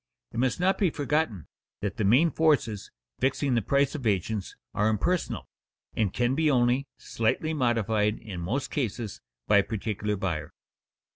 It must not be forgotten that the main forces fixing the prices of agents are impersonal, and can be only slightly modified in most cases by a particular buyer.